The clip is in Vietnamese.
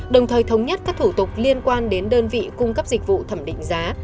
đồng thời thống nhất các thủ tục liên quan đến đơn vị cung cấp dịch vụ thẩm định giá